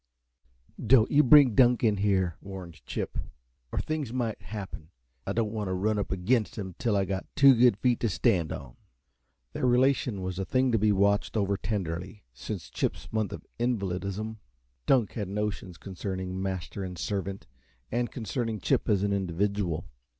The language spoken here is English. "Don't you bring Dunk in here," warned Chip, "or things might happen. I don't want to run up against him again till I've got two good feet to stand on." Their relation was a thing to be watched over tenderly, since Chip's month of invalidism. Dunk had notions concerning master and servant, and concerning Chip as an individual.